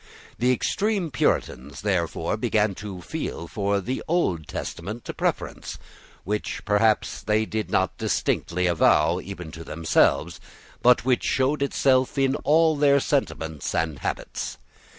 The extreme Puritans therefore began to feel for the Old Testament a preference, which, perhaps, they did not distinctly avow even to themselves; but which showed itself in all their sentiments and habits.